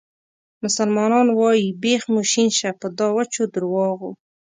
مسلمانان وایي بیخ مو شین شه په دا وچو درواغو.